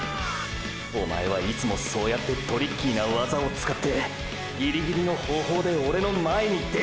おまえはいつもそうやってトリッキーなワザを使ってギリギリの方法でオレの前に出る！！